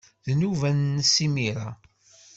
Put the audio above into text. D nnuba-nnes imir-a.